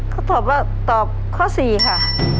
เขาตอบว่าตอบข้อ๔ค่ะ